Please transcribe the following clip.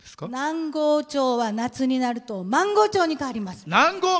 南郷町は夏になるとマンゴー町に変わります。